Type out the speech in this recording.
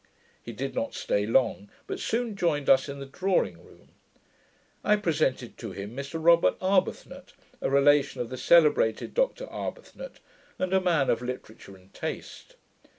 He did not stay long, but soon joined us in the drawing room. I presented to him Mr Robert Arbuthnot, a relation of the celebrated Dr Arbuthnot, and a man of literature and taste.